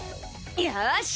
よし！